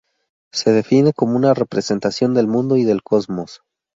Se define como una representación del mundo y del Cosmos.